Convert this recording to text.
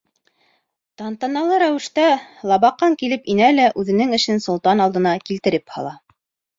Тантаналы рәүештә Лабаҡан килеп инә лә үҙенең эшен солтан алдына килтереп һала: